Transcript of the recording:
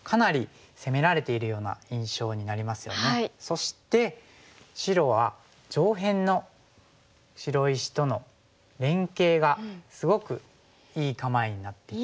そして白は上辺の白石との連携がすごくいい構えになってきて。